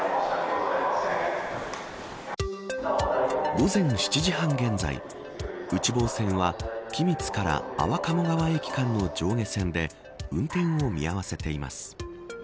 午前７時半現在内房線は、君津から安房鴨川駅の上下線で運転を見合わせています。